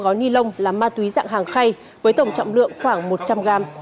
ba mươi năm gói nhi lông là ma túy dạng hàng khay với tổng trọng lượng khoảng một trăm linh gram